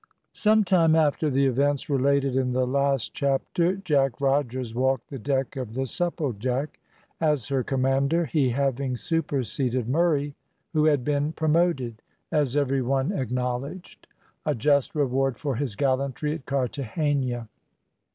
Sometime after the events related in the last chapter, Jack Rogers walked the deck of the Supplejack as her commander, he having superseded Murray, who had been promoted, as every one acknowledged a just reward for his gallantry at Carthagena.